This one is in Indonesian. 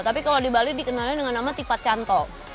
tapi kalau di bali dikenalnya dengan nama tipat canto